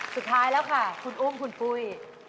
สุดท้ายแล้วค่ะคุณอุ้มคุณปุ้ย